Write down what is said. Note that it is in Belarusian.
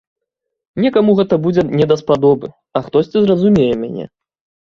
Некаму гэта будзе не даспадобы, а хтосьці зразумее мяне.